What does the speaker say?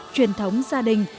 truyền thống gia đình